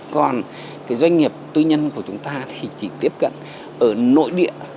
doanh nghiệp tuy nhân của chúng ta thì chỉ tiếp cận ở nội địa